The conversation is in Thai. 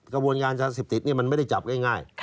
กระบวนงานเซ็บติดนี่มันไม่ได้จับง่าย